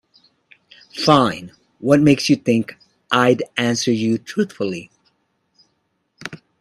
Fine, what makes you think I'd answer you truthfully?